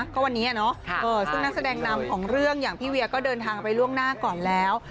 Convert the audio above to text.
ก็วันนี้ซึ่งนักแสดงนำของเรื่องอย่างพี่เวียก็เดินทางไปล่วงหน้าก่อนแล้ว